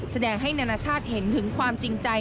แสดงให้นานาชาติเห็นถึงความจริงใจ